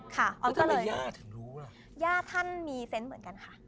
ค่ะอ๋อมก็เลยย่าท่านมีเซ็นต์เหมือนกันค่ะ